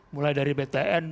mulai dari btn